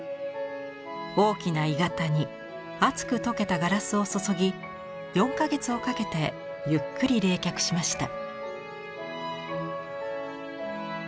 大きな鋳型に熱く溶けたガラスを注ぎ４か月をかけてゆっくり冷却しました。